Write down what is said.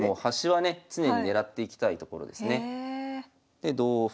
で同歩。